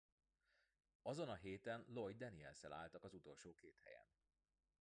Azon a héten Lloyd Daniels-szel álltak az utolsó két helyen.